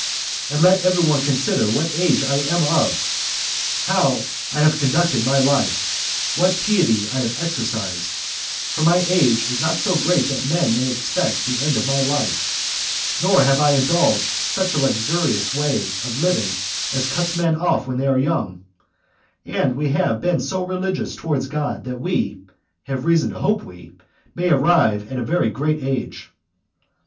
And let every one consider what age I am of, how I have conducted my life, and what piety I have exercised; for my age is not so great that men may soon expect the end of my life; nor have I indulged such a luxurious way of living as cuts men off when they are young; and we have been so religious towards God, that we [have reason to hope we] may arrive at a very great age.